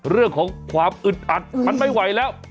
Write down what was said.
เรื่องของความอึดอัดมันไม่ไหวแล้ว